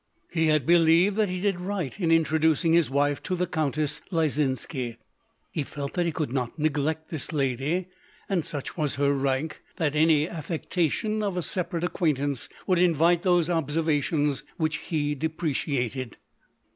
He had believed that he did right in intro ducing his wife to the Countess Lyzinski. He felt that he could not neglect this lady ; and such was her rank, that any affectation of a separate acquaintance would invite those obser vations which he deprecated.